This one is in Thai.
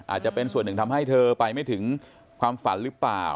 อาจจะเป็นส่วนหนึ่งทำให้เธอไปไม่ถึงความฝันหรือเปล่า